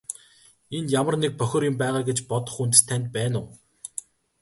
Энд ямар нэг бохир юм байгаа гэж бодох үндэс танд байна уу?